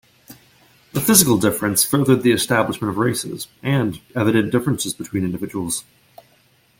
The physical difference furthered the establishment of races and evident differences between individuals.